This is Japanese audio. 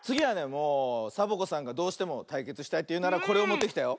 もうサボ子さんがどうしてもたいけつしたいというならこれをもってきたよ。